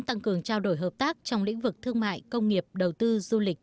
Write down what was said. tăng cường trao đổi hợp tác trong lĩnh vực thương mại công nghiệp đầu tư du lịch